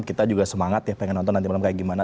kita juga semangat ya pengen nonton nanti malam kayak gimana